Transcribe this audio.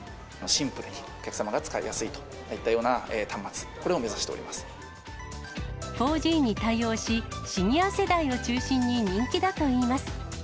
シンプルにお客様が使いやすいといったような端末、これを目指し４Ｇに対応し、シニア世代を中心に人気だといいます。